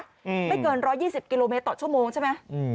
ไม่เกินร้อยยี่สิบกิโลเมตรต่อชั่วโมงใช่ไหมอืม